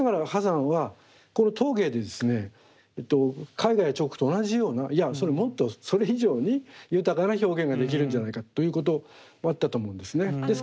絵画や彫刻と同じようないやもっとそれ以上に豊かな表現ができるんじゃないかということもあったと思うんですね。